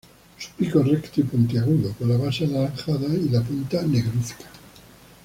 Su pico es recto y puntiagudo, con la base anaranjada y la punta negruzca.